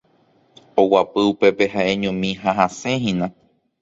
Oguapy upépe ha'eñomi ha hasẽhína.